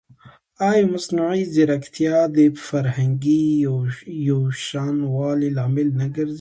ایا مصنوعي ځیرکتیا د فرهنګي یوشان والي لامل نه ګرځي؟